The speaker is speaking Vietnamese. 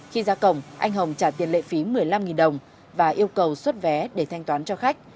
khi ra cổng anh hồng trả tiền lệ phí một mươi năm đồng và yêu cầu xuất vé để thanh toán cho khách